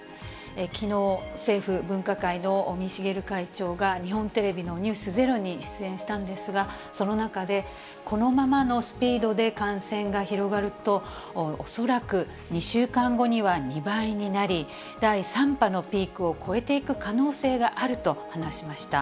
きのう、政府分科会の尾身茂会長が、日本テレビのｎｅｗｓｚｅｒｏに出演したんですが、その中で、このままのスピードで感染が広がると、恐らく２週間後には２倍になり、第３波のピークを超えていく可能性があると話しました。